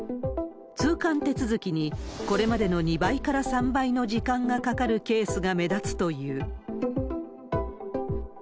通関手続きにこれまでの２倍から３倍の時間がかかるケースが目立つという。